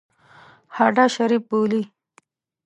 هډه شریف بولي.